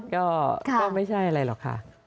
ก็ไม่ใช่อะไรหรอกค่ะ